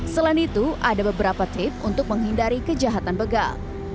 selain itu ada beberapa tips untuk menghindari kejahatan begal